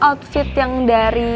outfit yang dari